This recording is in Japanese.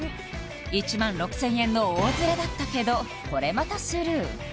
１６０００円の大ズレだったけどこれまたスルー！